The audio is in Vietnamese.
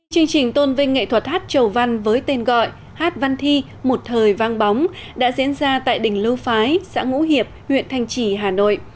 chương trình tôn vinh nghệ thuật hát trầu văn với tên gọi hát văn thi một thời vang bóng đã diễn ra tại đỉnh lưu phái xã ngũ hiệp huyện thanh trì hà nội